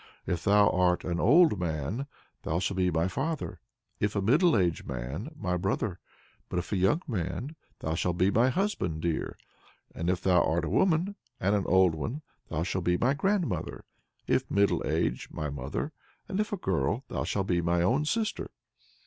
If thou art an old man, thou shall be my father; if a middle aged man, my brother; but if a young man, thou shalt be my husband dear. And if thou art a woman, and an old one, thou shalt be my grandmother; if middle aged, my mother; and if a girl, thou shalt be my own sister."